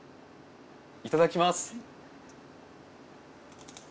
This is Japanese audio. いただきます。